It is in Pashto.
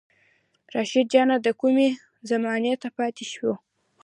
رشيد جانه دا کومې زمانې ته پاتې شو